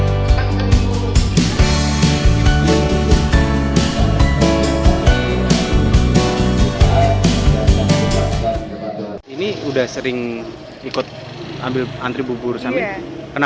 rasanya lebih enak yang disini atau kayaknya kalau saya rasa tempat lain karena nggak ada